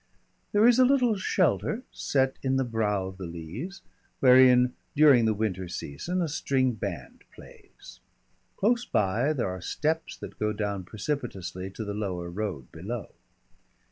There is a little shelter set in the brow of the Leas, wherein, during the winter season, a string band plays. Close by there are steps that go down precipitously to the lower road below.